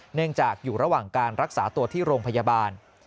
เนื่องจากอยู่ระหว่างการรักษาตัวที่โรงพยาบาล